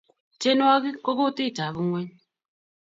tienwokik kokutit ap ngueny